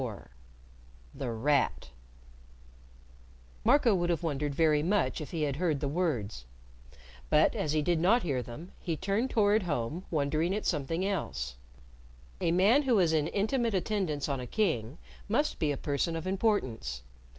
IV THE RAT Marco would have wondered very much if he had heard the words, but, as he did not hear them, he turned toward home wondering at something else. A man who was in intimate attendance on a king must be a person of importance.